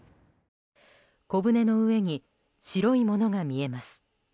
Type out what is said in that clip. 小舟の上に白いものが見えます。